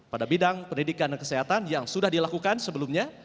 pada bidang pendidikan dan kesehatan yang sudah dilakukan sebelumnya